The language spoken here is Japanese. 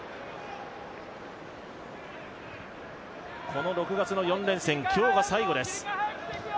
この６月の４連戦、今日が最後です。